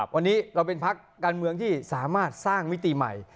วันนี้เราเป็นพักการเมืองที่สามารถสร้างมิติใหม่